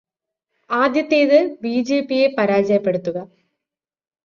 ആദ്യത്തേത് ബി.ജെ.പി.യെ പരാജയപ്പെടുത്തുക.